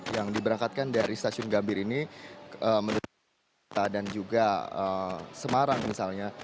yang diberangkatkan dari stasiun gambir ini menuju dan juga semarang misalnya